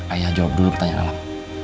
ayah jawab dulu pertanyaan